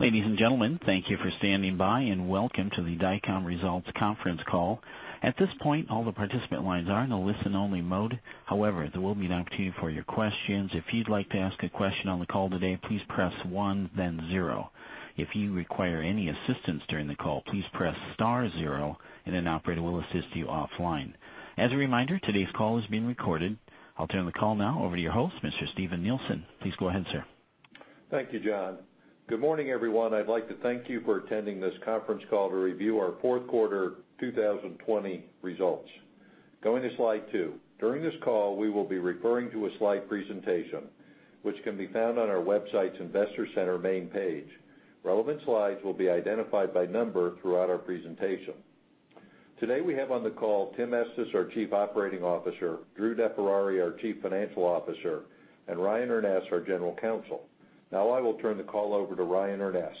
Ladies and gentlemen, thank you for standing by. Welcome to the Dycom Results conference call. At this point, all the participant lines are in a listen-only mode. However, there will be an opportunity for your questions. If you'd like to ask a question on the call today, please press one, then zero. If you require any assistance during the call, please press star zero and an operator will assist you offline. As a reminder, today's call is being recorded. I'll turn the call now over to your host, Mr. Steven Nielsen. Please go ahead, sir. Thank you, John. Good morning, everyone. I'd like to thank you for attending this conference call to review our fourth quarter 2020 results. Going to slide two. During this call, we will be referring to a slide presentation, which can be found on our website's Investor Center main page. Relevant slides will be identified by number throughout our presentation. Today, we have on the call Tim Estes, our Chief Operating Officer, Drew DeFerrari, our Chief Financial Officer, and Ryan Urness, our General Counsel. Now I will turn the call over to Ryan Urness.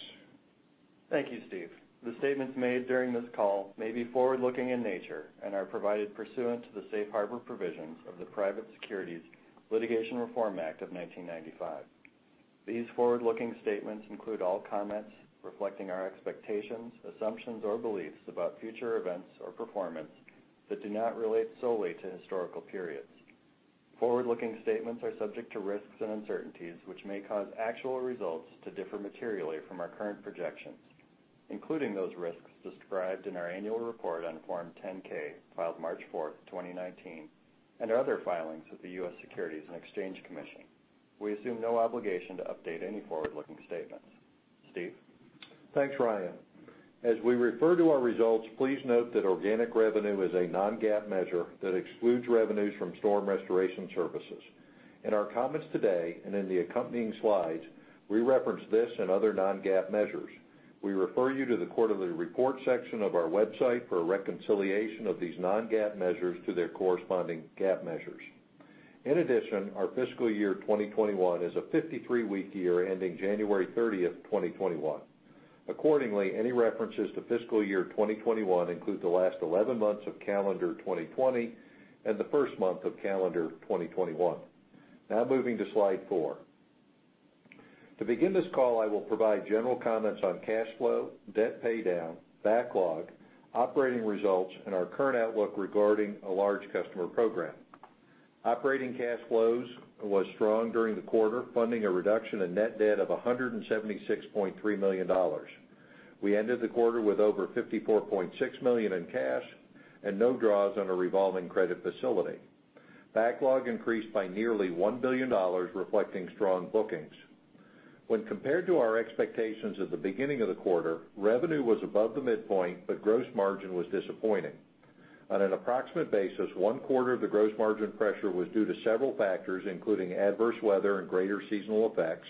Thank you, Steve. The statements made during this call may be forward-looking in nature and are provided pursuant to the safe harbor provisions of the Private Securities Litigation Reform Act of 1995. These forward-looking statements include all comments reflecting our expectations, assumptions, or beliefs about future events or performance that do not relate solely to historical periods. Forward-looking statements are subject to risks and uncertainties, which may cause actual results to differ materially from our current projections, including those risks described in our annual report on Form 10-K filed March 4th, 2019, and our other filings with the U.S. Securities and Exchange Commission. We assume no obligation to update any forward-looking statements. Steve? Thanks, Ryan. As we refer to our results, please note that organic revenue is a non-GAAP measure that excludes revenues from storm restoration services. In our comments today and in the accompanying slides, we reference this and other non-GAAP measures. We refer you to the quarterly report section of our website for a reconciliation of these non-GAAP measures to their corresponding GAAP measures. In addition, our fiscal year 2021 is a 53-week year ending January 30th, 2021. Accordingly, any references to fiscal year 2021 include the last 11 months of calendar 2020 and the first month of calendar 2021. Moving to slide four. To begin this call, I will provide general comments on cash flow, debt paydown, backlog, operating results, and our current outlook regarding a large customer program. Operating cash flows was strong during the quarter, funding a reduction in net debt of $176.3 million. We ended the quarter with over $54.6 million in cash and no draws on a revolving credit facility. Backlog increased by nearly $1 billion, reflecting strong bookings. When compared to our expectations at the beginning of the quarter, revenue was above the midpoint, but gross margin was disappointing. On an approximate basis, one quarter of the gross margin pressure was due to several factors, including adverse weather and greater seasonal effects.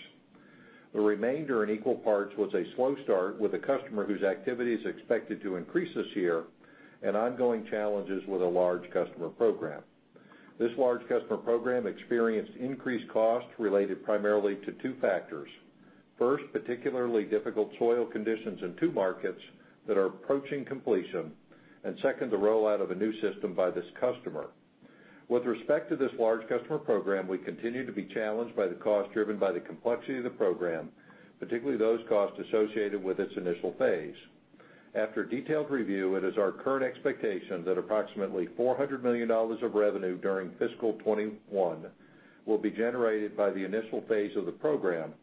The remainder, in equal parts, was a slow start with a customer whose activity is expected to increase this year and ongoing challenges with a large customer program. This large customer program experienced increased costs related primarily to two factors. First, particularly difficult soil conditions in two markets that are approaching completion, and second, the rollout of a new system by this customer. With respect to this large customer program, we continue to be challenged by the cost driven by the complexity of the program, particularly those costs associated with its initial phase. After a detailed review, it is our current expectation that approximately $400 million of revenue during fiscal 2021 will be generated by the initial phase of the program,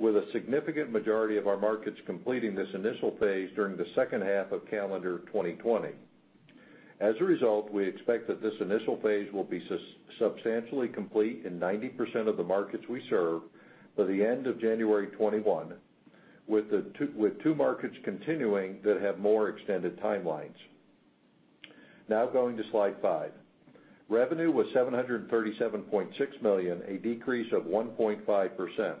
with a significant majority of our markets completing this initial phase during the second half of calendar 2020. As a result, we expect that this initial phase will be substantially complete in 90% of the markets we serve by the end of January 2021, with two markets continuing that have more extended timelines. Now going to slide five. Revenue was $737.6 million, a decrease of 1.5%.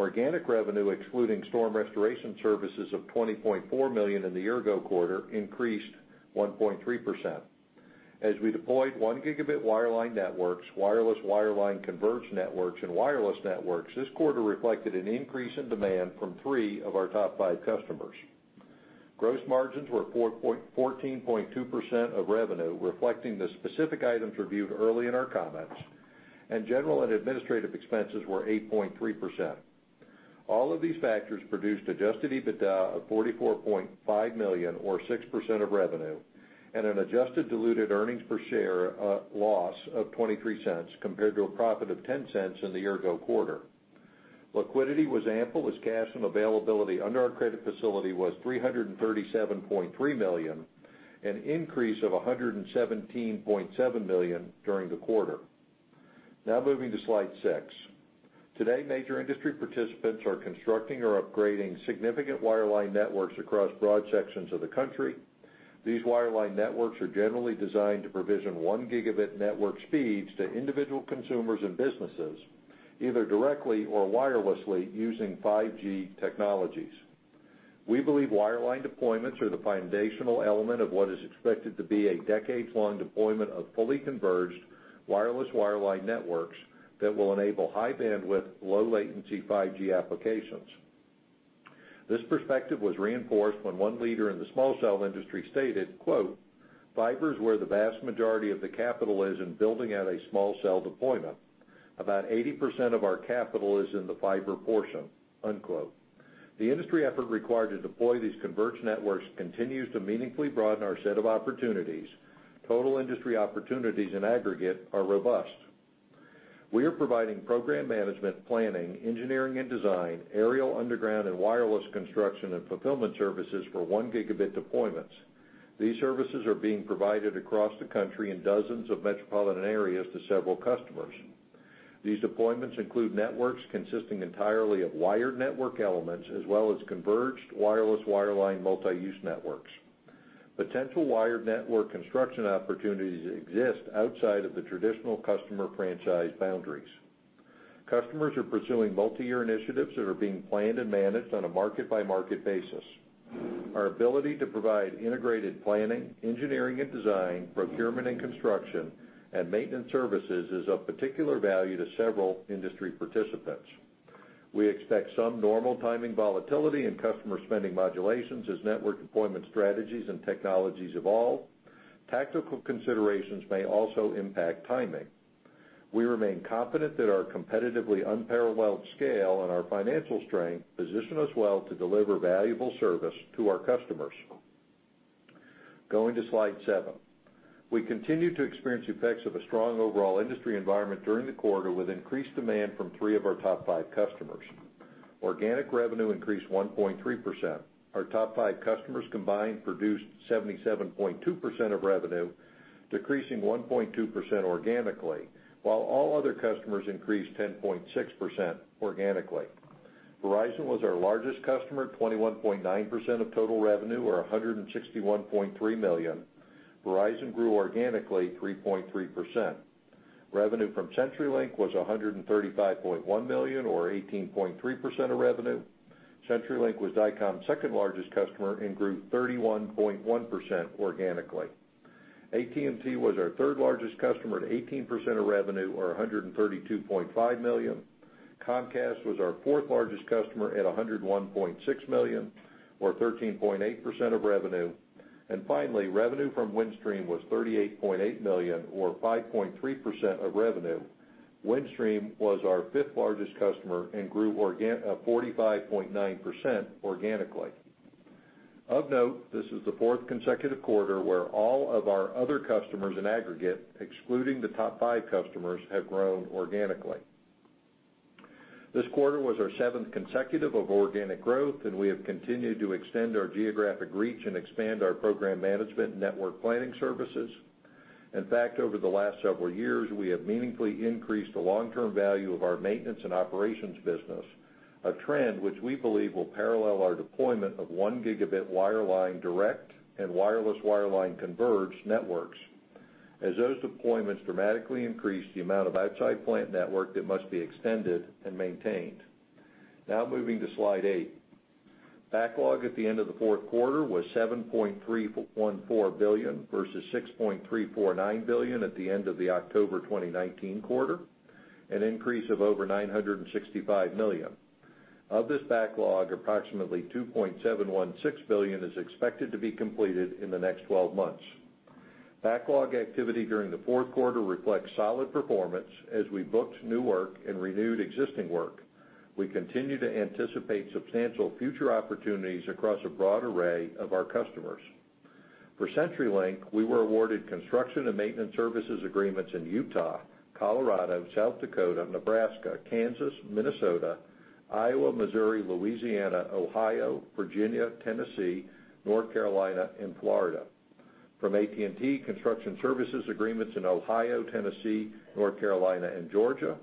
Organic revenue, excluding storm restoration services of $20.4 million in the year-ago quarter, increased 1.3%. As we deployed one gigabit wireline networks, wireless wireline converged networks, and wireless networks this quarter reflected an increase in demand from three of our top five customers. Gross margins were 14.2% of revenue, reflecting the specific items reviewed early in our comments, and general and administrative expenses were 8.3%. All of these factors produced Adjusted EBITDA of $44.5 million, or 6% of revenue, and an adjusted diluted earnings per share loss of $0.23 compared to a profit of $0.10 in the year-ago quarter. Liquidity was ample, as cash and availability under our credit facility was $337.3 million, an increase of $117.7 million during the quarter. Moving to slide six. Today, major industry participants are constructing or upgrading significant wireline networks across broad sections of the country. These wireline networks are generally designed to provision 1 Gb network speeds to individual consumers and businesses, either directly or wirelessly using 5G technologies. We believe wireline deployments are the foundational element of what is expected to be a decades-long deployment of fully converged wireless wireline networks that will enable high bandwidth, low latency 5G applications. This perspective was reinforced when one leader in the small cell industry stated, fiber is where the vast majority of the capital is in building out a small cell deployment. About 80% of our capital is in the fiber portion. The industry effort required to deploy these converged networks continues to meaningfully broaden our set of opportunities. Total industry opportunities in aggregate are robust. We are providing program management, planning, engineering and design, aerial, underground, and wireless construction and fulfillment services for 1 Gb deployments. These services are being provided across the country in dozens of metropolitan areas to several customers. These deployments include networks consisting entirely of wired network elements, as well as converged wireless wireline multi-use networks. Potential wired network construction opportunities exist outside of the traditional customer franchise boundaries. Customers are pursuing multi-year initiatives that are being planned and managed on a market-by-market basis. Our ability to provide integrated planning, engineering and design, procurement and construction, and maintenance services is of particular value to several industry participants. We expect some normal timing volatility in customer spending modulations as network deployment strategies and technologies evolve. Tactical considerations may also impact timing. We remain confident that our competitively unparalleled scale and our financial strength position us well to deliver valuable service to our customers. Going to slide seven. We continued to experience effects of a strong overall industry environment during the quarter, with increased demand from three of our top five customers. Organic revenue increased 1.3%. Our top five customers combined produced 77.2% of revenue, decreasing 1.2% organically, while all other customers increased 10.6% organically. Verizon was our largest customer at 21.9% of total revenue, or $161.3 million. Verizon grew organically 3.3%. Revenue from CenturyLink was $135.1 million, or 18.3% of revenue. CenturyLink was Dycom's second largest customer and grew 31.1% organically. AT&T was our third largest customer at 18% of revenue, or $132.5 million. Comcast was our fourth largest customer at $101.6 million, or 13.8% of revenue. Finally, revenue from Windstream was $38.8 million, or 5.3% of revenue. Windstream was our fifth largest customer and grew 45.9% organically. Of note, this is the fourth consecutive quarter where all of our other customers in aggregate, excluding the top five customers, have grown organically. This quarter was our seventh consecutive of organic growth, and we have continued to extend our geographic reach and expand our program management network planning services. In fact, over the last several years, we have meaningfully increased the long-term value of our maintenance and operations business, a trend which we believe will parallel our deployment of one gigabit wireline direct and wireless wireline converged networks, as those deployments dramatically increase the amount of outside plant network that must be extended and maintained. Moving to slide eight. Backlog at the end of the fourth quarter was $7.314 billion, versus $6.349 billion at the end of the October 2019 quarter, an increase of over $965 million. Of this backlog, approximately $2.716 billion is expected to be completed in the next 12 months. Backlog activity during the fourth quarter reflects solid performance as we booked new work and renewed existing work. We continue to anticipate substantial future opportunities across a broad array of our customers. For CenturyLink, we were awarded construction and maintenance services agreements in Utah, Colorado, South Dakota, Nebraska, Kansas, Minnesota, Iowa, Missouri, Louisiana, Ohio, Virginia, Tennessee, North Carolina, and Florida. From AT&T, construction services agreements in Ohio, Tennessee, North Carolina, and Georgia.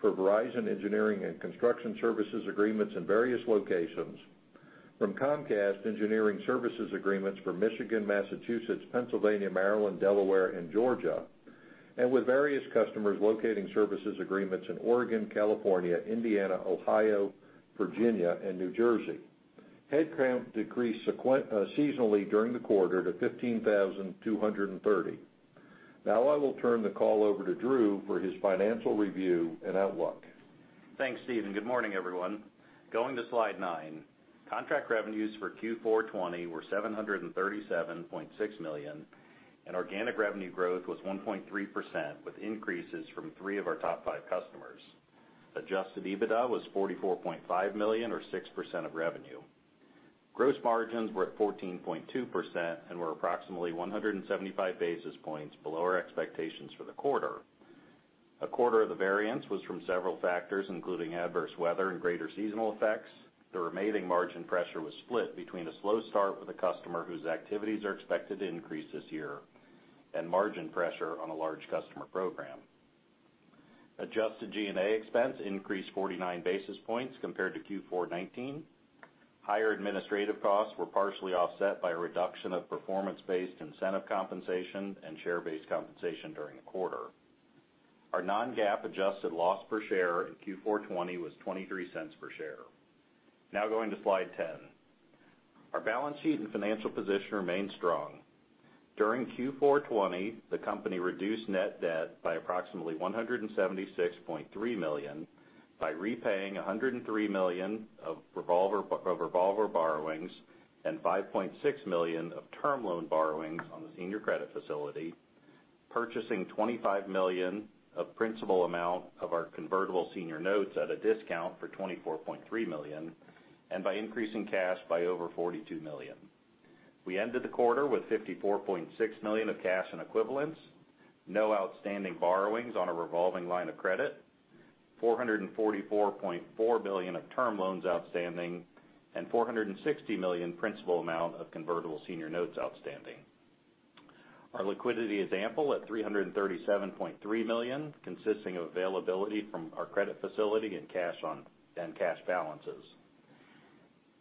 For Verizon, engineering and construction services agreements in various locations. From Comcast, engineering services agreements for Michigan, Massachusetts, Pennsylvania, Maryland, Delaware, and Georgia. With various customers locating services agreements in Oregon, California, Indiana, Ohio, Virginia, and New Jersey. Headcount decreased seasonally during the quarter to 15,230. I will turn the call over to Drew for his financial review and outlook. Thanks, Steve, and good morning, everyone. Going to slide nine. Contract revenues for Q4 2020 were $737.6 million, and organic revenue growth was 1.3%, with increases from three of our top five customers. Adjusted EBITDA was $44.5 million, or 6% of revenue. Gross margins were at 14.2% and were approximately 175 basis points below our expectations for the quarter. A quarter of the variance was from several factors, including adverse weather and greater seasonal effects. The remaining margin pressure was split between a slow start with a customer whose activities are expected to increase this year, and margin pressure on a large customer program. Adjusted G&A expense increased 49 basis points compared to Q4 2019. Higher administrative costs were partially offset by a reduction of performance-based incentive compensation and share-based compensation during the quarter. Our non-GAAP adjusted loss per share in Q4 2020 was $0.23 per share. Going to slide 10. Our balance sheet and financial position remain strong. During Q4 2020, the company reduced net debt by approximately $176.3 million by repaying $103 million of revolver borrowings and $5.6 million of term loan borrowings on the senior credit facility, purchasing $25 million of principal amount of our convertible senior notes at a discount for $24.3 million, and by increasing cash by over $42 million. We ended the quarter with $54.6 million of cash and equivalents, no outstanding borrowings on a revolving line of credit, $444.4 billion of term loans outstanding, and $460 million principal amount of convertible senior notes outstanding. Our liquidity is ample at $337.3 million, consisting of availability from our credit facility and cash balances.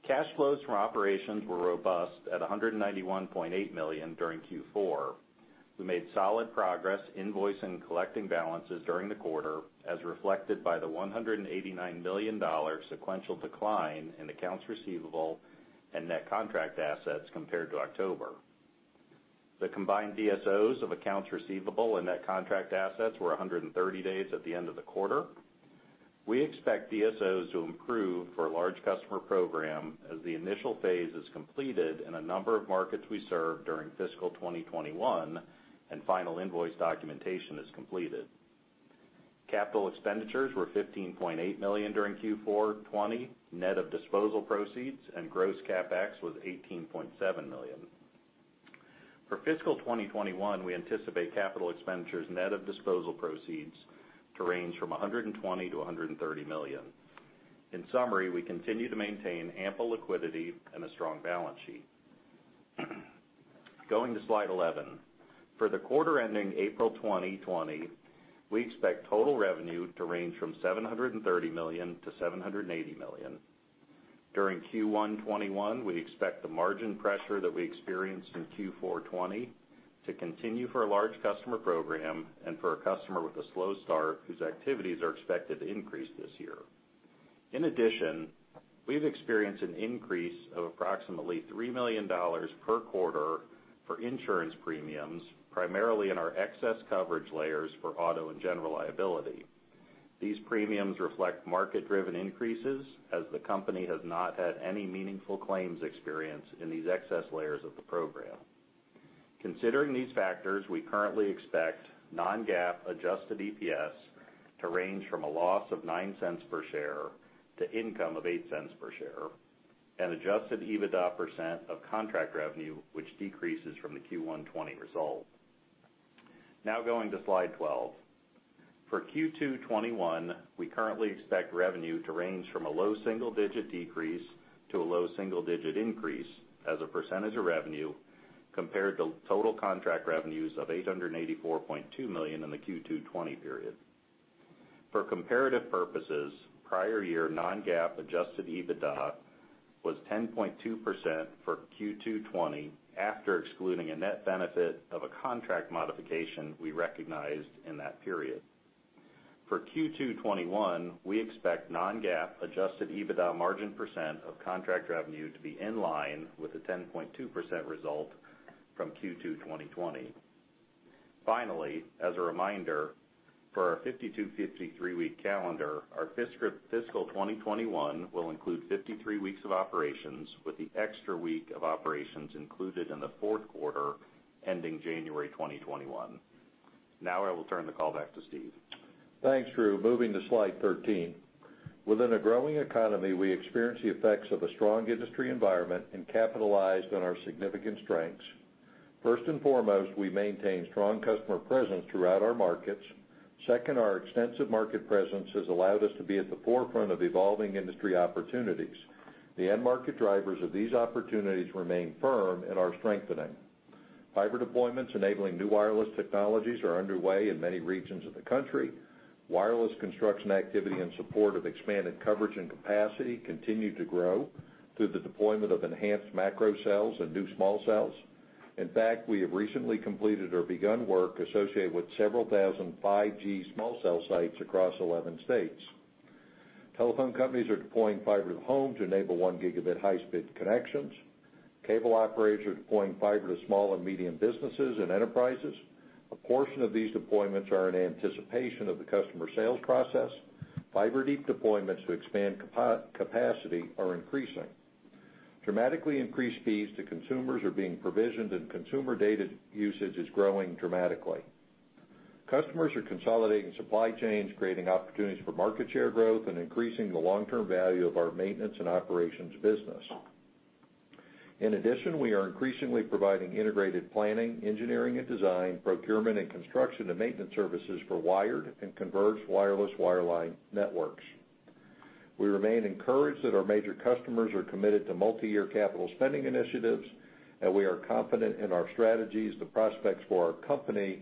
Cash flows from operations were robust at $191.8 million during Q4. We made solid progress invoicing and collecting balances during the quarter, as reflected by the $189 million sequential decline in accounts receivable and net contract assets compared to October. The combined DSOs of accounts receivable and net contract assets were 130 days at the end of the quarter. We expect DSOs to improve for a large customer program as the initial phase is completed in a number of markets we serve during fiscal 2021 and final invoice documentation is completed. Capital expenditures were $15.8 million during Q4 2020, net of disposal proceeds, and gross CapEx was $18.7 million. For fiscal 2021, we anticipate capital expenditures net of disposal proceeds to range from $120 million-$130 million. In summary, we continue to maintain ample liquidity and a strong balance sheet. Going to slide 11. For the quarter ending April 2020, we expect total revenue to range from $730 million-$780 million. During Q1 '21, we expect the margin pressure that we experienced in Q4 '20 to continue for a large customer program and for a customer with a slow start whose activities are expected to increase this year. In addition, we've experienced an increase of approximately $3 million per quarter for insurance premiums, primarily in our excess coverage layers for auto and general liability. These premiums reflect market-driven increases as the company has not had any meaningful claims experience in these excess layers of the program. Considering these factors, we currently expect non-GAAP adjusted EPS to range from a loss of $0.09 per share to income of $0.08 per share and Adjusted EBITDA percent of contract revenue, which decreases from the Q1 2020 result. Now going to slide 12. For Q2 2021, we currently expect revenue to range from a low single-digit decrease to a low single-digit increase as a percentage of revenue compared to total contract revenues of $884.2 million in the Q2 2020 period. For comparative purposes, prior year non-GAAP Adjusted EBITDA was 10.2% for Q2 2020 after excluding a net benefit of a contract modification we recognized in that period. For Q2 2021, we expect non-GAAP Adjusted EBITDA margin percent of contract revenue to be in line with the 10.2% result from Q2 2020. Finally, as a reminder, for our 52, 53-week calendar, our fiscal 2021 will include 53 weeks of operations, with the extra week of operations included in the fourth quarter ending January 2021. Now I will turn the call back to Steve. Thanks, Drew. Moving to slide 13. Within a growing economy, we experienced the effects of a strong industry environment and capitalized on our significant strengths. First and foremost, we maintain strong customer presence throughout our markets. Second, our extensive market presence has allowed us to be at the forefront of evolving industry opportunities. The end market drivers of these opportunities remain firm and are strengthening. Fiber deployments enabling new wireless technologies are underway in many regions of the country. Wireless construction activity in support of expanded coverage and capacity continue to grow through the deployment of enhanced macro cells and new small cells. In fact, we have recently completed or begun work associated with several thousand 5G small cell sites across 11 states. Telephone companies are deploying fiber to homes to enable one gigabit high-speed connections. Cable operators are deploying fiber to small and medium businesses and enterprises. A portion of these deployments are in anticipation of the customer sales process. Fiber deep deployments to expand capacity are increasing. Dramatically increased fees to consumers are being provisioned and consumer data usage is growing dramatically. Customers are consolidating supply chains, creating opportunities for market share growth and increasing the long-term value of our maintenance and operations business. In addition, we are increasingly providing integrated planning, engineering and design, procurement and construction and maintenance services for wired and converged wireless wireline networks. We remain encouraged that our major customers are committed to multiyear capital spending initiatives, and we are confident in our strategies, the prospects for our company,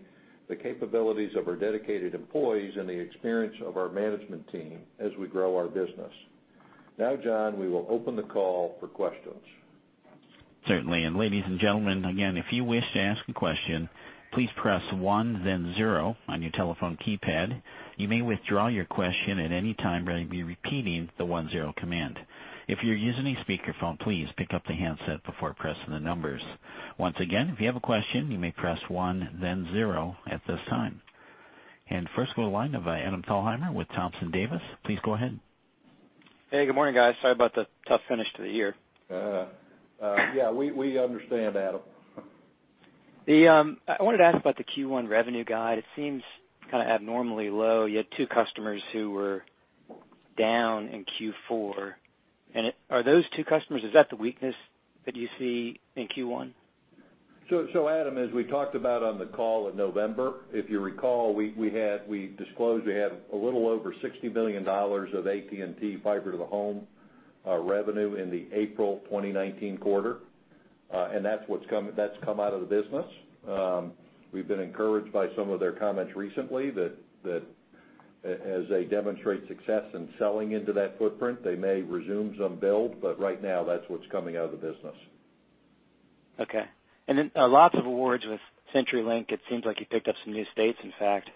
the capabilities of our dedicated employees, and the experience of our management team as we grow our business. Now, John, we will open the call for questions. Certainly. Ladies and gentlemen, again, if you wish to ask a question, please press one then zero on your telephone keypad. You may withdraw your question at any time by repeating the one-zero command. If you're using a speakerphone, please pick up the handset before pressing the numbers. Once again, if you have a question, you may press one then zero at this time. First we go line of Adam Thalhimer with Thompson Davis, please go ahead. Hey, good morning, guys. Sorry about the tough finish to the year. Yeah, we understand, Adam. I wanted to ask about the Q1 revenue guide. It seems kind of abnormally low. You had two customers who were down in Q4. Are those two customers, is that the weakness that you see in Q1? Adam, as we talked about on the call in November, if you recall, we disclosed we have a little over $60 billion of AT&T fiber to the home revenue in the April 2019 quarter. That's come out of the business. We've been encouraged by some of their comments recently that as they demonstrate success in selling into that footprint, they may resume some build, but right now that's what's coming out of the business. Okay. Lots of awards with CenturyLink. It seems like you picked up some new states, in fact.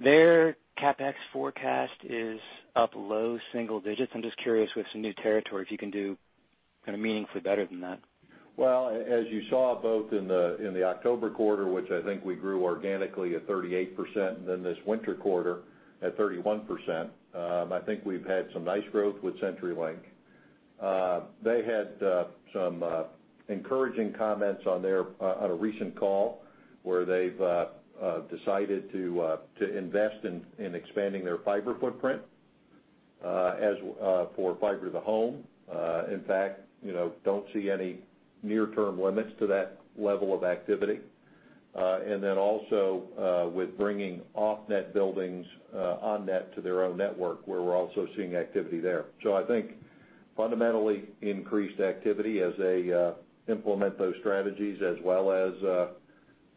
Their CapEx forecast is up low single digits. I'm just curious with some new territories, you can do meaningfully better than that? Well, as you saw both in the October quarter, which I think we grew organically at 38%, and then this winter quarter at 31%, I think we've had some nice growth with CenturyLink. They had some encouraging comments on a recent call where they've decided to invest in expanding their fiber footprint for fiber to the home. In fact, don't see any near-term limits to that level of activity. Also, with bringing off net buildings on net to their own network, where we're also seeing activity there. I think fundamentally increased activity as they implement those strategies, as well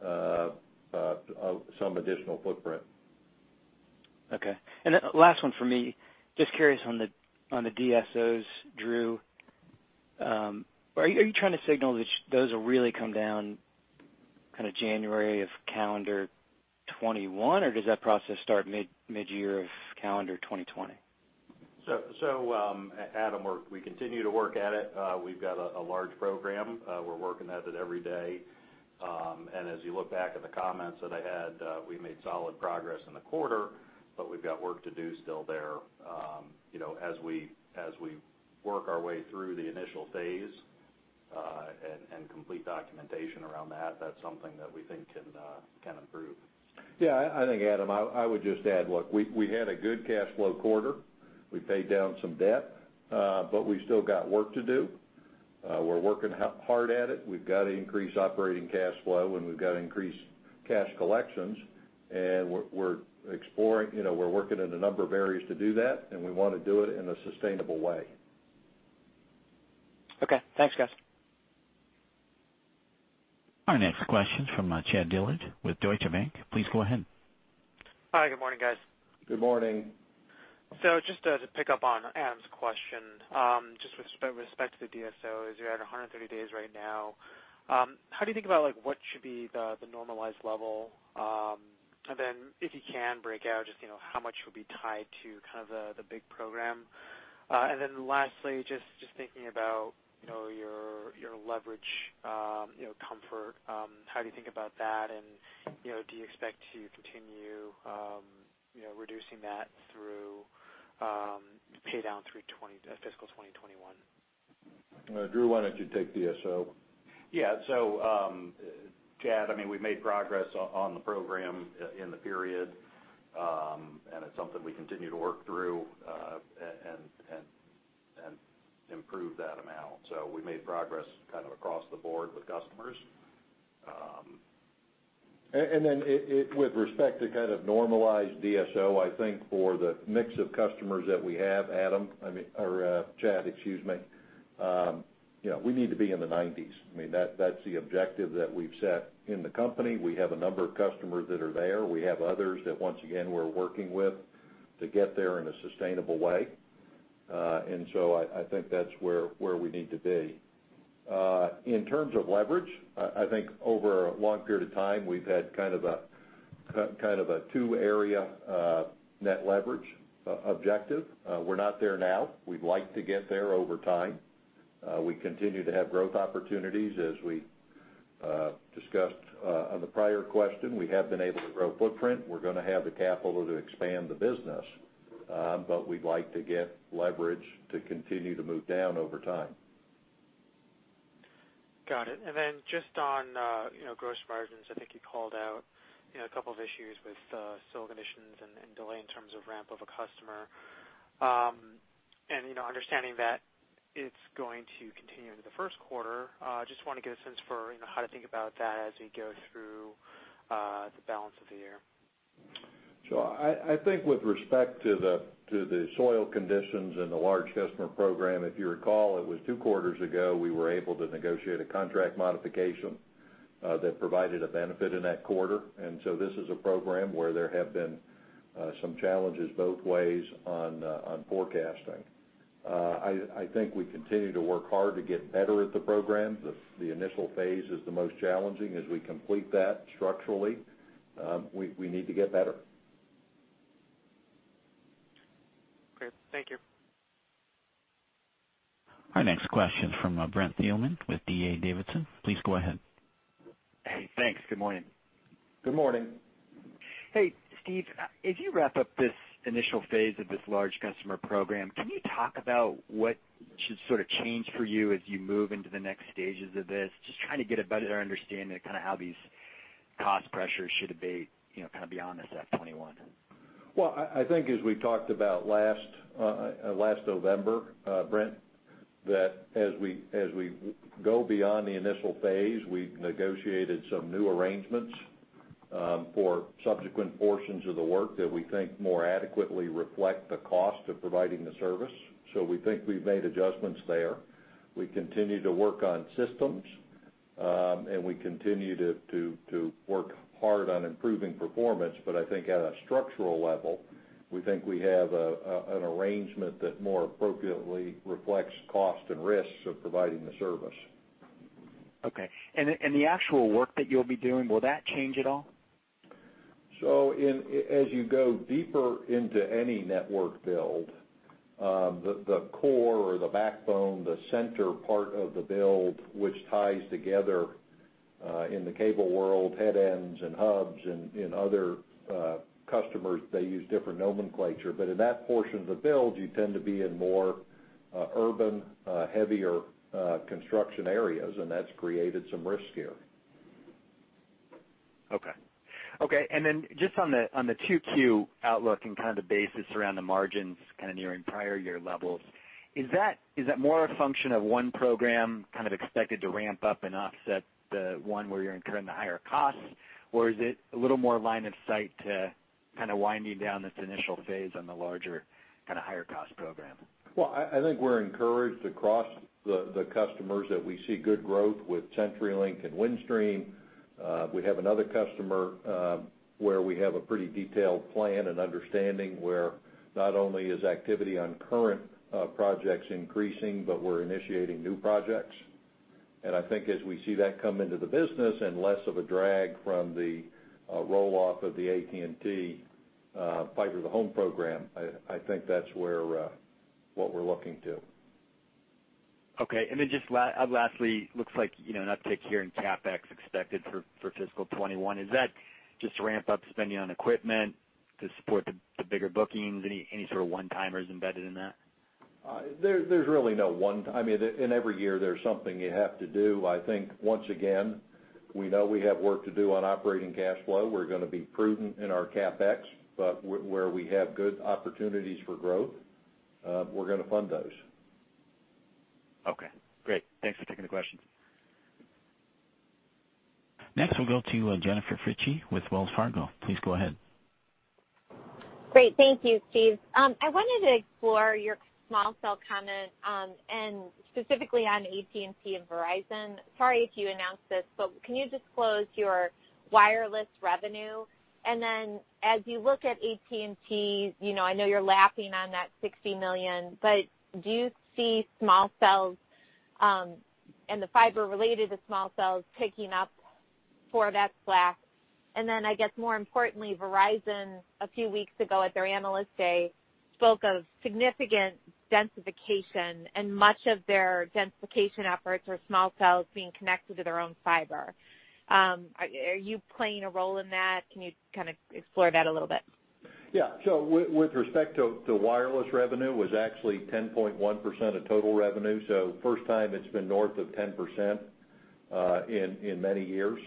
as some additional footprint. Okay. Last one from me, just curious on the DSOs, Drew. Are you trying to signal that those will really come down January of calendar 2021, or does that process start mid-year of calendar 2020? Adam, we continue to work at it. We've got a large program. We're working at it every day. As you look back at the comments that I had, we made solid progress in the quarter, but we've got work to do still there. As we work our way through the initial phase and complete documentation around that's something that we think can improve. Yeah, I think Adam, I would just add, look, we had a good cash flow quarter. We paid down some debt. We've still got work to do. We're working hard at it. We've got to increase operating cash flow, and we've got to increase cash collections. We're working in a number of areas to do that, and we want to do it in a sustainable way. Okay, thanks guys. Our next question is from Chad Dillard with Deutsche Bank. Please go ahead. Hi, good morning, guys. Good morning. Just to pick up on Adam's question, just with respect to the DSOs, you're at 130 days right now. How do you think about what should be the normalized level? If you can break out just how much will be tied to the big program? Lastly, just thinking about your leverage comfort, how do you think about that and do you expect to continue reducing that through pay down through fiscal 2021? Drew, why don't you take DSO? Yeah. Chad, we've made progress on the program in the period, and it's something we continue to work through and improve that amount. We made progress across the board with customers. With respect to normalized DSO, I think for the mix of customers that we have, Adam, or Chad, excuse me, we need to be in the 90s. That's the objective that we've set in the company. We have a number of customers that are there. We have others that once again, we're working with to get there in a sustainable way. I think that's where we need to be. In terms of leverage, I think over a long period of time, we've had a two-area net leverage objective. We're not there now. We'd like to get there over time. We continue to have growth opportunities, as we discussed on the prior question. We have been able to grow footprint. We're going to have the capital to expand the business. We'd like to get leverage to continue to move down over time. Got it. Just on gross margins, I think you called out a couple of issues with soil conditions and delay in terms of ramp of a customer. Understanding that it's going to continue into the first quarter, just want to get a sense for how to think about that as we go through the balance of the year? I think with respect to the soil conditions and the large customer program, if you recall, it was two quarters ago, we were able to negotiate a contract modification that provided a benefit in that quarter. This is a program where there have been some challenges both ways on forecasting. I think we continue to work hard to get better at the program. The initial phase is the most challenging. As we complete that structurally, we need to get better. Great. Thank you. Our next question from Brent Thielman with D.A. Davidson, please go ahead. Hey, thanks. Good morning. Good morning. Hey, Steve, as you wrap up this initial phase of this large customer program, can you talk about what should sort of change for you as you move into the next stages of this? Just trying to get a better understanding of how these cost pressures should abate, kind of beyond this FY 2021. I think as we talked about last November, Brent, that as we go beyond the initial phase, we've negotiated some new arrangements for subsequent portions of the work that we think more adequately reflect the cost of providing the service. We think we've made adjustments there. We continue to work on systems, and we continue to work hard on improving performance. I think at a structural level, we think we have an arrangement that more appropriately reflects cost and risks of providing the service. Okay. The actual work that you'll be doing, will that change at all? As you go deeper into any network build, the core or the backbone, the center part of the build, which ties together, in the cable world, headends and hubs, and other customers, they use different nomenclature. In that portion of the build, you tend to be in more urban, heavier construction areas, and that's created some risk here. Okay. Just on the 2Q outlook and kind of the basis around the margins kind of nearing prior year levels, is that more a function of one program kind of expected to ramp up and offset the one where you're incurring the higher costs, or is it a little more line of sight to kind of winding down this initial phase on the larger kind of higher cost program? I think we're encouraged across the customers that we see good growth with CenturyLink and Windstream. We have another customer where we have a pretty detailed plan and understanding where not only is activity on current projects increasing, but we're initiating new projects. I think as we see that come into the business and less of a drag from the roll-off of the AT&T Fiber to the Home program, I think that's what we're looking to. Okay. Lastly, looks like an uptick here in CapEx expected for fiscal 2021. Is that just to ramp up spending on equipment to support the bigger bookings? Any sort of one-timers embedded in that? There's really no one. I mean, in every year, there's something you have to do. I think, once again, we know we have work to do on operating cash flow. We're going to be prudent in our CapEx, but where we have good opportunities for growth, we're going to fund those. Okay, great. Thanks for taking the question. Next, we'll go to Jennifer Fritzsche with Wells Fargo. Please go ahead. Great. Thank you, Steve. I wanted to explore your small cell comment, specifically on AT&T and Verizon. Sorry if you announced this, can you disclose your wireless revenue? As you look at AT&T, I know you're lapping on that $60 million, do you see small cells, and the fiber related to small cells, picking up for that slack? I guess more importantly, Verizon, a few weeks ago at their Analyst Day, spoke of significant densification and much of their densification efforts or small cells being connected to their own fiber. Are you playing a role in that? Can you kind of explore that a little bit? Yeah. With respect to wireless revenue, was actually 10.1% of total revenue. First time it's been north of 10% in many years.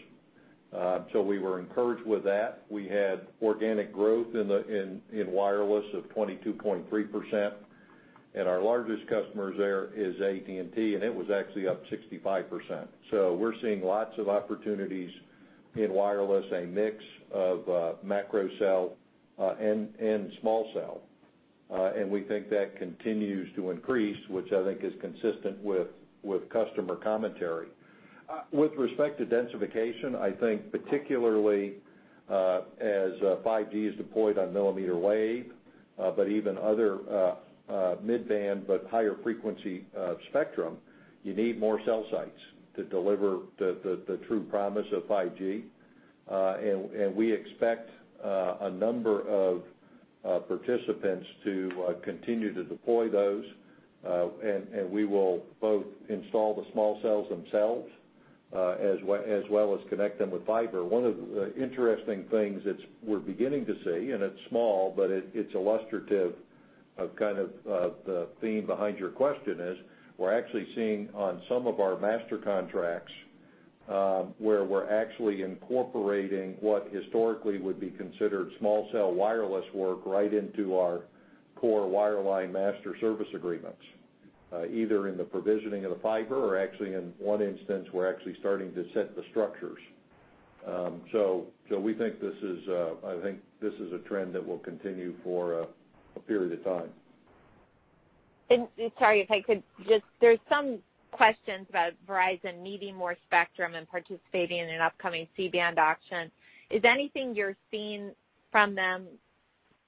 We were encouraged with that. We had organic growth in wireless of 22.3%, and our largest customers there is AT&T, and it was actually up 65%. We're seeing lots of opportunities in wireless, a mix of macro cell and small cell. We think that continues to increase, which I think is consistent with customer commentary. With respect to densification, I think particularly as 5G is deployed on millimeter wave, but even other mid-band but higher frequency spectrum, you need more cell sites to deliver the true promise of 5G. We expect a number of participants to continue to deploy those. We will both install the small cells themselves as well as connect them with fiber. One of the interesting things that we're beginning to see, and it's small, but it's illustrative of kind of the theme behind your question is, we're actually seeing on some of our master contracts, where we're actually incorporating what historically would be considered small cell wireless work right into our core wireline master service agreements, either in the provisioning of the fiber or actually in one instance, we're actually starting to set the structures. I think this is a trend that will continue for a period of time. Sorry, there's some questions about Verizon needing more spectrum and participating in an upcoming C-band auction. Is anything you're seeing from them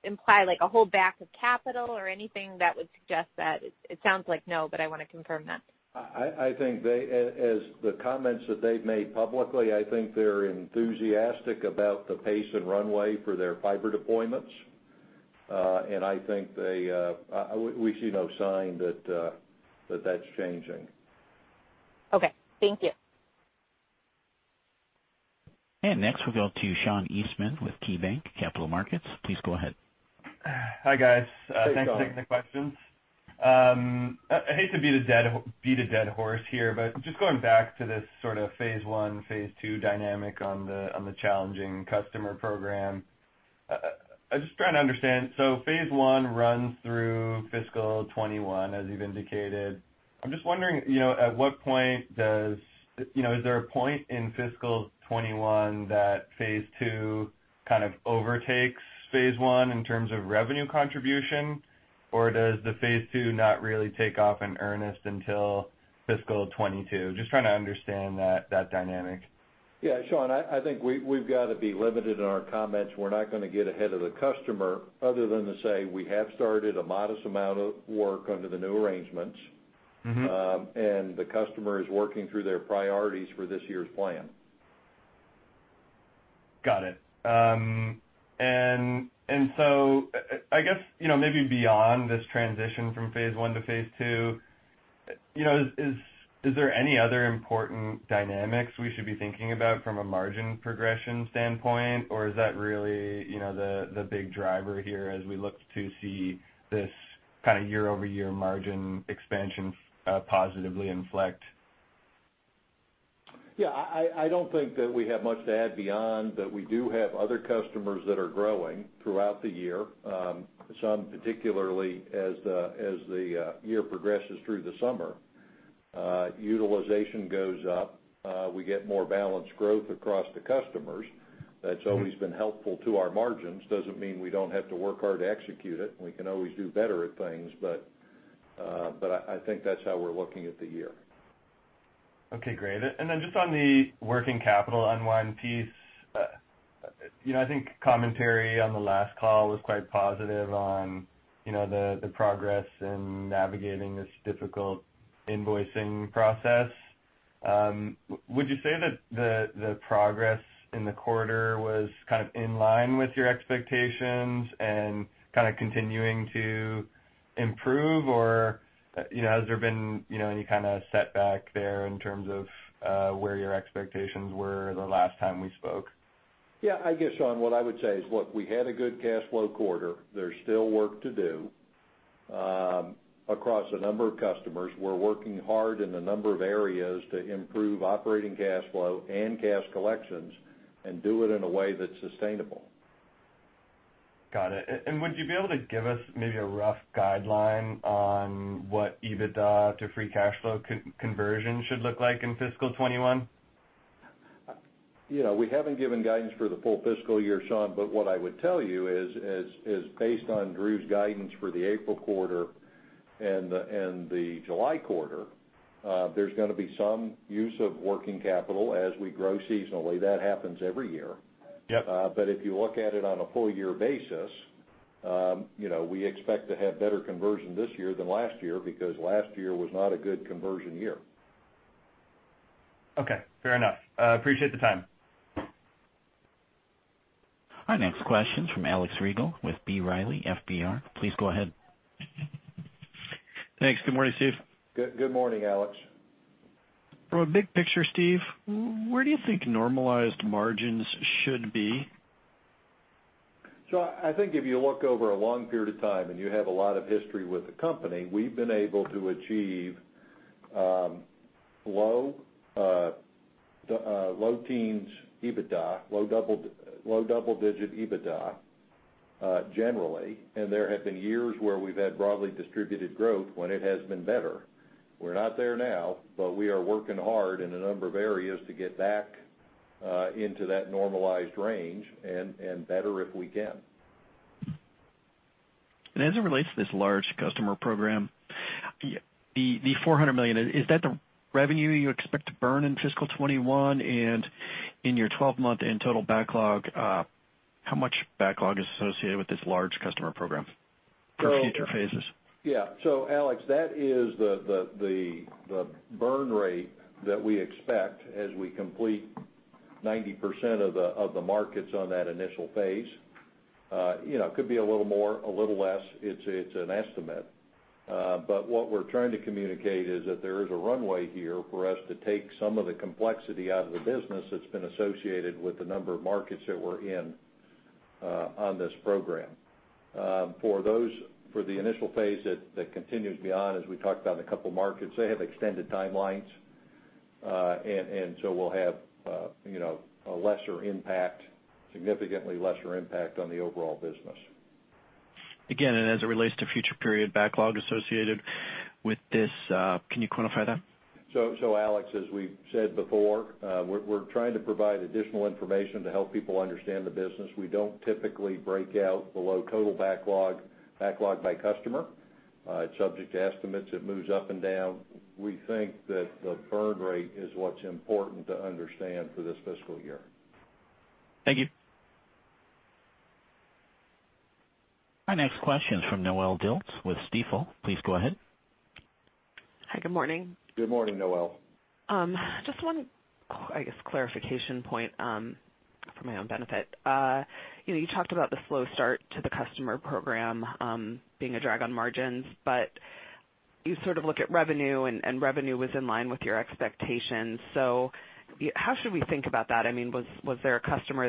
imply like a whole back of capital or anything that would suggest that? It sounds like no, but I want to confirm that. I think as the comments that they've made publicly, I think they're enthusiastic about the pace and runway for their fiber deployments. I think we see no sign that that's changing. Okay. Thank you. Next, we'll go to Sean Eastman with KeyBanc Capital Markets. Please go ahead. Hi, guys. Hey, Sean. Thanks for taking the questions. I hate to beat a dead horse here, just going back to this sort of phase one, phase two dynamic on the challenging customer program. I'm just trying to understand. Phase one runs through fiscal 2021, as you've indicated. I'm just wondering, is there a point in fiscal 2021 that phase two kind of overtakes phase one in terms of revenue contribution? Does the phase two not really take off in earnest until fiscal 2022? Just trying to understand that dynamic. Yeah, Sean, I think we've got to be limited in our comments. We're not going to get ahead of the customer other than to say, we have started a modest amount of work under the new arrangements. The customer is working through their priorities for this year's plan. Got it. I guess, maybe beyond this transition from phase one to phase two, is there any other important dynamics we should be thinking about from a margin progression standpoint? Is that really the big driver here as we look to see this kind of year-over-year margin expansion positively inflect? Yeah, I don't think that we have much to add beyond that we do have other customers that are growing throughout the year. Some particularly as the year progresses through the summer. Utilization goes up. We get more balanced growth across the customers. That's always been helpful to our margins. Doesn't mean we don't have to work hard to execute it, and we can always do better at things, but I think that's how we're looking at the year. Okay, great. Just on the working capital unwind piece. I think commentary on the last call was quite positive on the progress in navigating this difficult invoicing process. Would you say that the progress in the quarter was kind of in line with your expectations and kind of continuing to improve? Has there been any kind of setback there in terms of where your expectations were the last time we spoke? Yeah, I guess, Sean, what I would say is, look, we had a good cash flow quarter. There's still work to do across a number of customers. We're working hard in a number of areas to improve operating cash flow and cash collections and do it in a way that's sustainable. Got it. Would you be able to give us maybe a rough guideline on what EBITDA to free cash flow conversion should look like in fiscal 2021? We haven't given guidance for the full fiscal year, Sean, but what I would tell you is based on Drew's guidance for the April quarter and the July quarter, there's gonna be some use of working capital as we grow seasonally. That happens every year. Yep. If you look at it on a full year basis, we expect to have better conversion this year than last year because last year was not a good conversion year. Okay, fair enough. Appreciate the time. Our next question is from Alex Rygiel with B. Riley FBR. Please go ahead. Thanks. Good morning, Steve. Good morning, Alex. From a big picture, Steve, where do you think normalized margins should be? I think if you look over a long period of time and you have a lot of history with the company, we've been able to achieve low teens EBITDA, low double-digit EBITDA, generally. There have been years where we've had broadly distributed growth when it has been better. We're not there now, but we are working hard in a number of areas to get back into that normalized range and better if we can. As it relates to this large customer program, the $400 million, is that the revenue you expect to burn in fiscal 2021? In your 12-month and total backlog, how much backlog is associated with this large customer program for future phases? Yeah. Alex, that is the burn rate that we expect as we complete 90% of the markets on that initial phase. Could be a little more, a little less. It's an estimate. What we're trying to communicate is that there is a runway here for us to take some of the complexity out of the business that's been associated with the number of markets that we're in on this program. For the initial phase that continues beyond, as we talked about a couple of markets, they have extended timelines. We'll have a lesser impact, significantly lesser impact on the overall business. As it relates to future period backlog associated with this, can you quantify that? Alex, as we've said before, we're trying to provide additional information to help people understand the business. We don't typically break out below total backlog by customer. It's subject to estimates. It moves up and down. We think that the burn rate is what's important to understand for this fiscal year. Thank you. Our next question is from Noelle Dilts with Stifel. Please go ahead. Hi, good morning. Good morning, Noelle. Just one, I guess, clarification point for my own benefit. You talked about the slow start to the customer program being a drag on margins. You sort of look at revenue, and revenue was in line with your expectations. How should we think about that? Was there a customer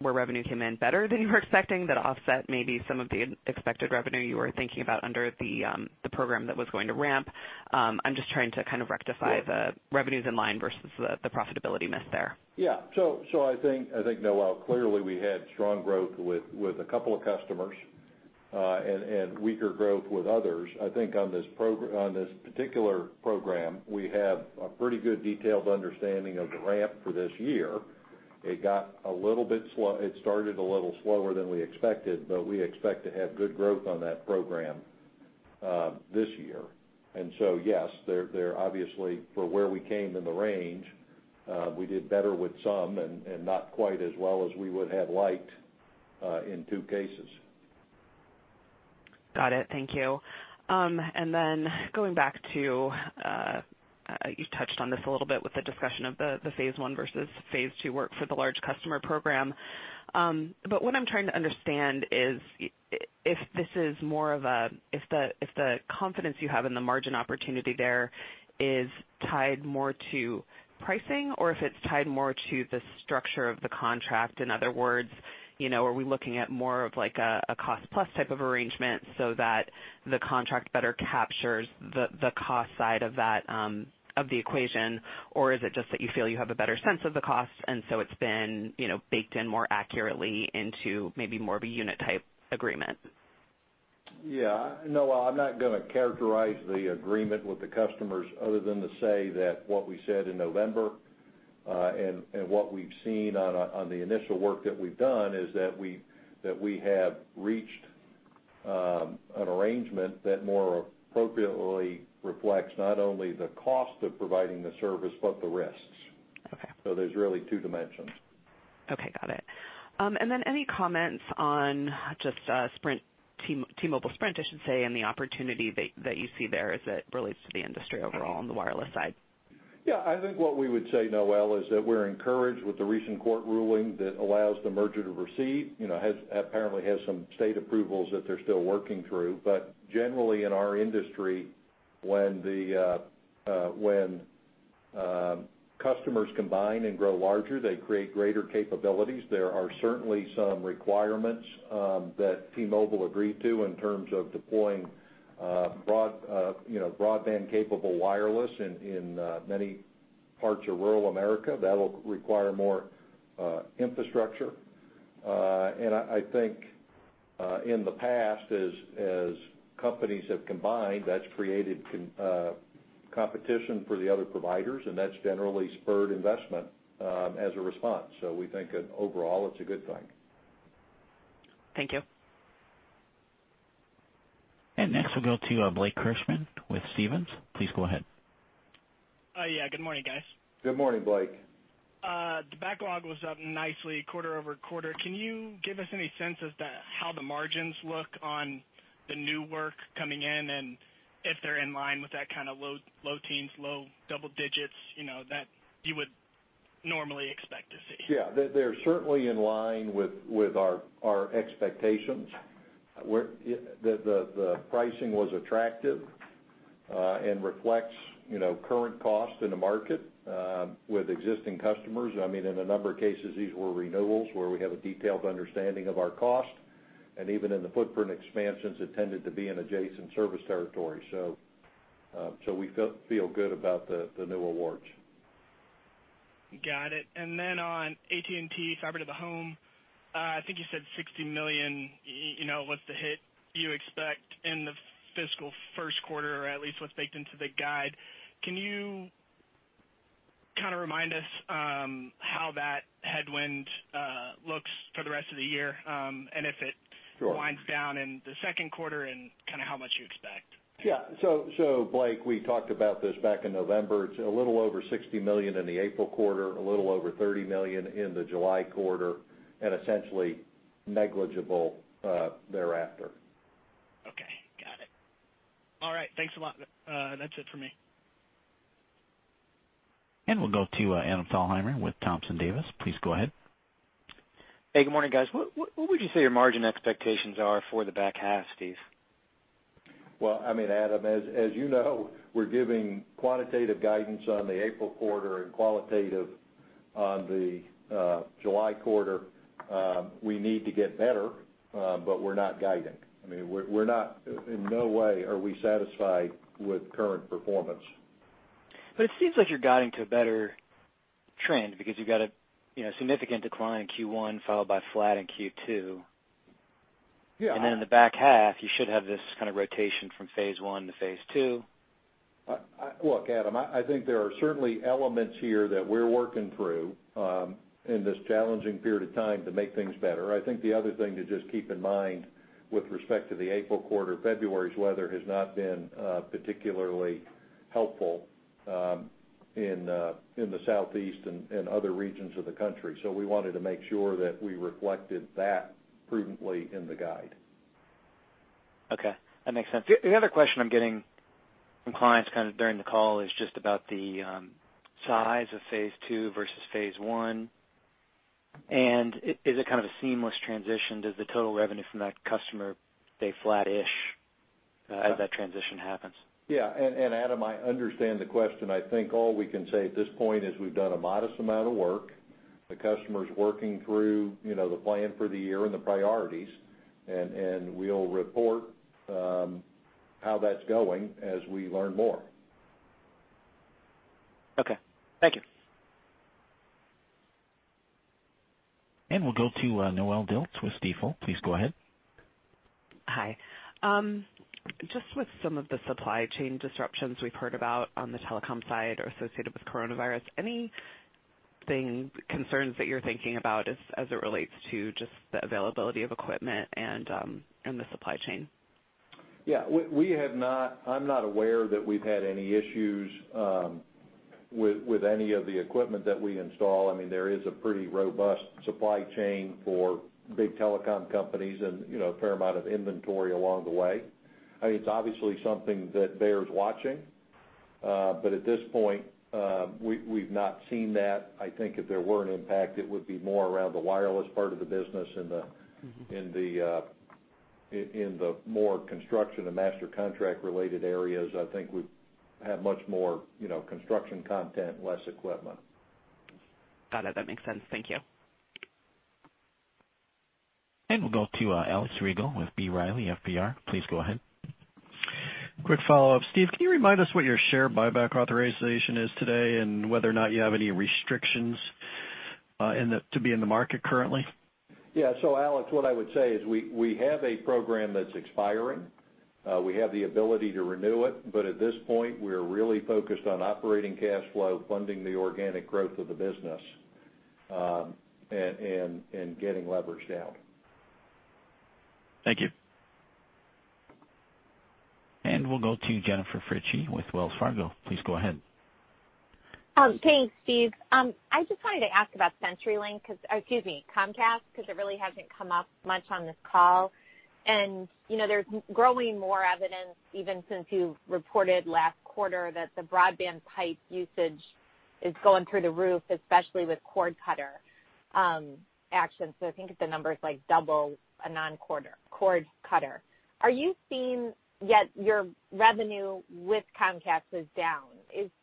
where revenue came in better than you were expecting that offset maybe some of the expected revenue you were thinking about under the program that was going to ramp? I'm just trying to kind of rectify the revenues in line versus the profitability miss there. I think, Noelle, clearly we had strong growth with a couple of customers and weaker growth with others. I think on this particular program, we have a pretty good detailed understanding of the ramp for this year. It started a little slower than we expected, but we expect to have good growth on that program this year. Yes, there obviously, for where we came in the range, we did better with some and not quite as well as we would have liked in two cases. Got it. Thank you. Going back to, you touched on this a little bit with the discussion of the phase one versus phase two work for the large customer program. What I'm trying to understand is if the confidence you have in the margin opportunity there is tied more to pricing or if it's tied more to the structure of the contract. In other words, are we looking at more of a cost-plus type of arrangement so that the contract better captures the cost side of the equation, or is it just that you feel you have a better sense of the cost, and so it's been baked in more accurately into maybe more of a unit-type agreement? Yeah. Noelle, I'm not going to characterize the agreement with the customers other than to say that what we said in November and what we've seen on the initial work that we've done is that we have reached an arrangement that more appropriately reflects not only the cost of providing the service, but the risks. Okay. There's really two dimensions. Okay, got it. Then any comments on just T-Mobile, Sprint, I should say, and the opportunity that you see there as it relates to the industry overall on the wireless side? Yeah. I think what we would say, Noelle, is that we're encouraged with the recent court ruling that allows the merger to proceed. Apparently has some state approvals that they're still working through. Generally, in our industry, when customers combine and grow larger, they create greater capabilities. There are certainly some requirements that T-Mobile agreed to in terms of deploying broadband-capable wireless in many parts of rural America. That'll require more infrastructure. I think in the past, as companies have combined, that's created competition for the other providers, and that's generally spurred investment as a response. We think that overall it's a good thing. Thank you. Next we'll go to Blake Hirschman with Stephens. Please go ahead. Yeah. Good morning, guys. Good morning, Blake. The backlog was up nicely quarter-over-quarter. Can you give us any sense as to how the margins look on the new work coming in, and if they're in line with that kind of low teens, low double digits that you would normally expect to see? Yeah. They're certainly in line with our expectations, where the pricing was attractive and reflects current cost in the market with existing customers. In a number of cases, these were renewals where we have a detailed understanding of our cost, and even in the footprint expansions, it tended to be in adjacent service territory. So we feel good about the new awards. Got it. On AT&T fiber to the home, I think you said $60 million was the hit you expect in the fiscal first quarter, or at least what's baked into the guide. Can you kind of remind us how that headwind looks for the rest of the year? Sure. And if it winds down in the second quarter and how much you expect? Yeah. Blake, we talked about this back in November. It's a little over $60 million in the April quarter, a little over $30 million in the July quarter, and essentially negligible thereafter. Okay. Got it. All right. Thanks a lot. That's it for me. We'll go to Adam Thalhimer with Thompson Davis. Please go ahead. Hey, good morning, guys. What would you say your margin expectations are for the back half, Steve? Well, Adam, as you know, we're giving quantitative guidance on the April quarter and qualitative on the July quarter. We need to get better, but we're not guiding. In no way are we satisfied with current performance. It seems like you're guiding to a better trend because you've got a significant decline in Q1 followed by flat in Q2. Yeah. In the back half, you should have this kind of rotation from phase one to phase two. Look, Adam, I think there are certainly elements here that we're working through in this challenging period of time to make things better. I think the other thing to just keep in mind with respect to the April quarter, February's weather has not been particularly helpful. Sure. In the Southeast and other regions of the country. We wanted to make sure that we reflected that prudently in the guide. Okay. That makes sense. The other question I'm getting from clients kind of during the call is just about the size of phase two versus phase one. Is it kind of a seamless transition? Does the total revenue from that customer stay flat-ish as that transition happens? Yeah. Adam, I understand the question. I think all we can say at this point is we've done a modest amount of work. The customer's working through the plan for the year and the priorities, and we'll report how that's going as we learn more. Okay. Thank you. We'll go to Noelle Dilts with Stifel. Please go ahead. Hi. With some of the supply chain disruptions we've heard about on the telecom side or associated with coronavirus, anything, concerns that you're thinking about as it relates to just the availability of equipment and the supply chain? Yeah. I'm not aware that we've had any issues with any of the equipment that we install. There is a pretty robust supply chain for big telecom companies and a fair amount of inventory along the way. It's obviously something that bears watching. At this point, we've not seen that. I think if there were an impact, it would be more around the wireless part of the business in the more construction and master contract related areas. I think we have much more construction content, less equipment. Got it. That makes sense. Thank you. We'll go to Alex Rygiel with B. Riley FBR. Please go ahead. Quick follow-up. Steve, can you remind us what your share buyback authorization is today, and whether or not you have any restrictions to be in the market currently? Yeah. Alex, what I would say is we have a program that's expiring. We have the ability to renew it, but at this point, we're really focused on operating cash flow, funding the organic growth of the business, and getting leverage down. Thank you. We'll go to Jennifer Fritzsche with Wells Fargo. Please go ahead. Hey, Steve. I just wanted to ask about CenturyLink because, or excuse me, Comcast, because it really hasn't come up much on this call. There's growing more evidence, even since you reported last quarter that the broadband pipe usage is going through the roof, especially with cord cutter actions. I think the number's like double a non-cord cutter. Are you seeing yet your revenue with Comcast is down?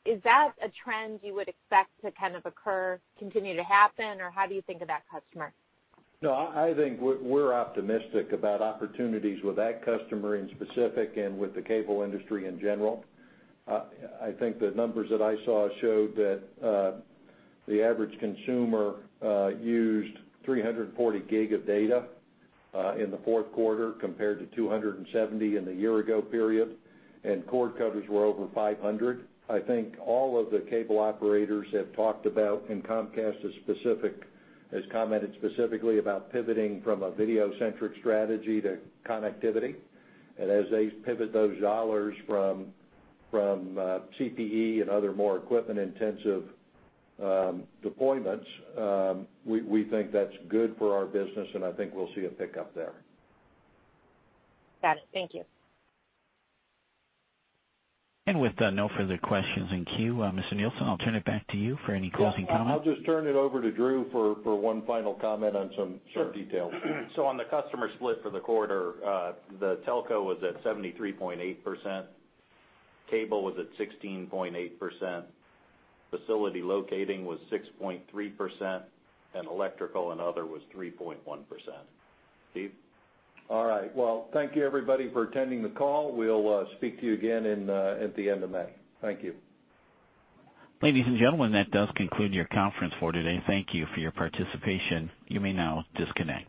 Is that a trend you would expect to kind of occur, continue to happen, or how do you think of that customer? No, I think we're optimistic about opportunities with that customer in specific and with the cable industry in general. I think the numbers that I saw showed that the average consumer used 340 GB of data in the fourth quarter compared to 270 GB in the year ago period, and cord cutters were over 500. I think all of the cable operators have talked about, and Comcast has commented specifically about pivoting from a video-centric strategy to connectivity. As they pivot those dollars from CPE and other more equipment-intensive deployments, we think that's good for our business, and I think we'll see a pickup there. Got it. Thank you. With no further questions in queue, Mr. Nielsen, I'll turn it back to you for any closing comments. I'll just turn it over to Drew for one final comment on some details. Sure. On the customer split for the quarter, the telco was at 73.8%, cable was at 16.8%, facility locating was 6.3%, and electrical and other was 3.1%. Steve? All right. Well, thank you everybody for attending the call. We'll speak to you again at the end of May. Thank you. Ladies and gentlemen, that does conclude your conference for today. Thank you for your participation. You may now disconnect.